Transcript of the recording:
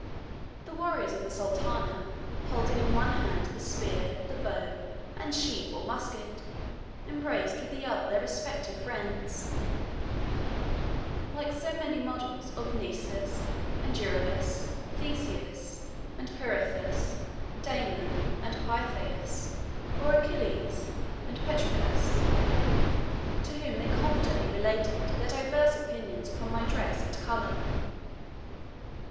The warriors of the Sultana, holding in one hand the spear, the bow, and sheaf or musket, embraced with the other their respective friends, like so many models of Nisus and Euryalus, Theseus and Pirithous, Damon and Pythias, or Achilles and Patroclus, to whom they confidentially related their divers opinions upon my dress and colour.